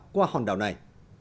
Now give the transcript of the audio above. qua hòn đảo này